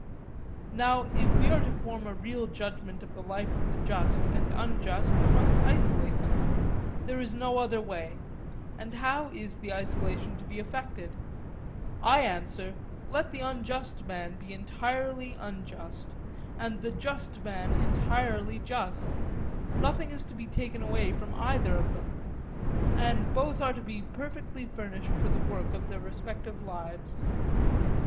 Now, if we are to form a real judgment of the life of the just and unjust, we must isolate them; there is no other way; and how is the isolation to be effected? I answer: Let the unjust man be entirely unjust, and the just man entirely just; nothing is to be taken away from either of them, and both are to be perfectly furnished for the work of their respective lives.